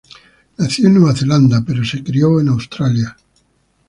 Nació en Nueva Zelanda, pero se crio en Australia.